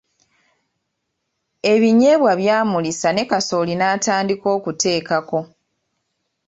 Ebinyeebwa byamulisa ne kasooli n’atandika okuteekako.